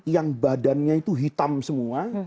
yang badannya itu hitam semua